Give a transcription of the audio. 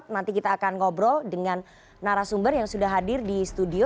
nanti kita akan ngobrol dengan narasumber yang sudah hadir di studio